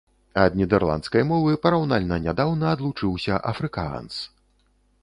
Ад нідэрландскай мовы параўнальна нядаўна адлучыўся афрыкаанс.